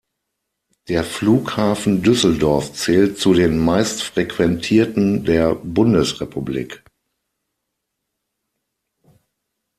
Der Flughafen Düsseldorf zählt zu den meistfrequentierten der Bundesrepublik.